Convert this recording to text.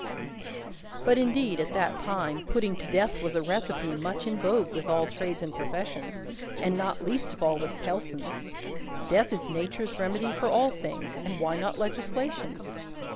But indeed, at that time, putting to death was a recipe much in vogue with all trades and professions, and not least of all with Tellson's. Death is Nature's remedy for all things, and why not Legislation's?